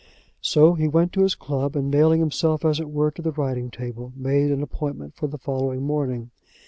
So he went to his club, and nailing himself as it were to the writing table, made an appointment for the following morning.